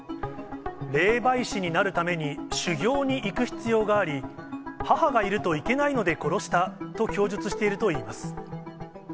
霊媒師になるために修行に行く必要があり、母がいると行けないので殺したと供述しているといいます。